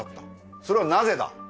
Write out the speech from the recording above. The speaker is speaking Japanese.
それはなぜだ？